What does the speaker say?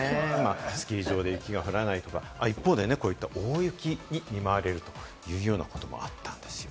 スキー場で雪が降らないとか、一方で大雪に見舞われるというようなこともあったんです。